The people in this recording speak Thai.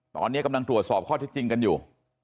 ตอนนี้กำลังตรวจสอบข้อที่จริงกันอยู่